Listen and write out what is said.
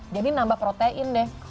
jadi nambah protein deh